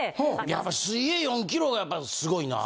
やっぱ水泳４キロがやっぱすごいな。